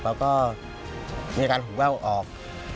แล้วก็มีอาการหูแว่วออก